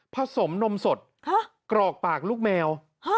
สมนมสดกรอกปากลูกแมว